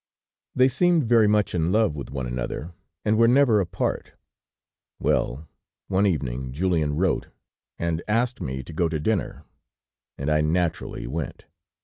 "They seemed very much in love with one another, and were never apart. "Well, one evening Julien wrote and asked me to go to dinner, and I naturally went.